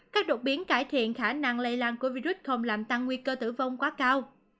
các đột biến cải thiện khả năng lây lan của virus không làm tăng nguy cơ tử vong quá cao